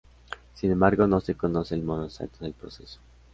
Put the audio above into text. Sin embargo, no se conoce el modo exacto del proceso.